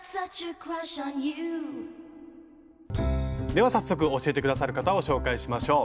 では早速教えて下さる方を紹介しましょう。